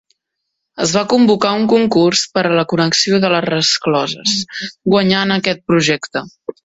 Es va convocar un concurs per a la connexió de les rescloses, guanyant aquest projecte.